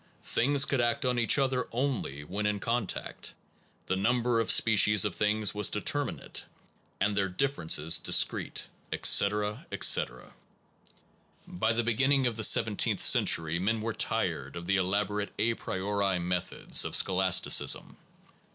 Things could act on each other only when in contact. The number of species of things was determinate, and their differences dis crete, etc., etc. 1 By the beginning of the seventeenth century, men were tired of the elaborate a priori methods of scholasticism.